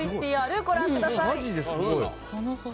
ＶＴＲ、ご覧ください。